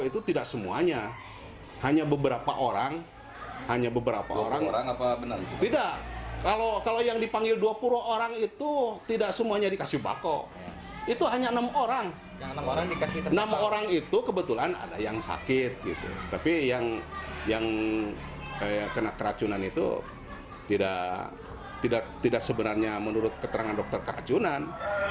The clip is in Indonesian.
tapi yang kena keracunan itu tidak sebenarnya menurut keterangan dokter keracunan